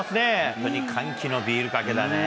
本当に歓喜のビールかけだね。